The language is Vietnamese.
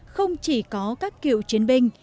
không chỉ có các cựu chiến binh